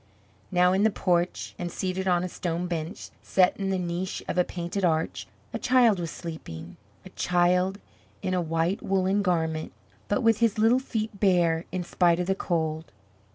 Now, in the porch and seated on a stone bench set in the niche of a painted arch, a child was sleeping a child in a white woollen garment, but with his little feet bare, in spite of the cold.